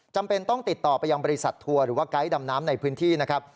จำเป็นต้องติดต่อไปยังบริษัททัวร์หรือว่าไกด์ดำน้ำในพื้นที่นะครับ